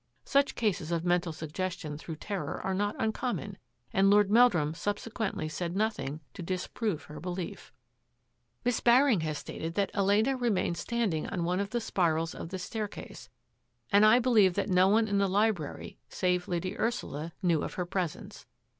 Such cases of mental suggestion through terror are not uncommon, and Lord Meldrum sub sequently said nothing to disprove her belief. OFF FOR THE C0NTINE3S[T 863 " Miss Baring has stated that Elena remained standing on one of the spirals of the staircase and I believe that no one in the library, save Lady Ursula, knew of her presence.